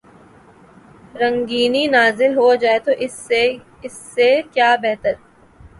رنگینی نازل ہو جائے تو اس سے کیا بہتر۔